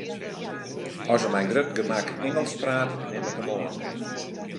As er mei grut gemak Ingelsk praat, nim ik him oan.